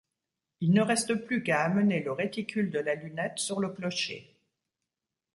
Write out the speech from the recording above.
Il ne reste plus qu'à amener le réticule de la lunette sur le clocher.